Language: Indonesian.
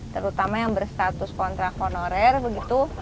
terutama yang berstatus kontrak honorer begitu